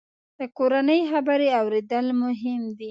د کورنۍ خبرې اورېدل مهم دي.